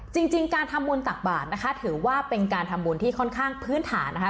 จริงการทำบุญตักบาทนะคะถือว่าเป็นการทำบุญที่ค่อนข้างพื้นฐานนะคะ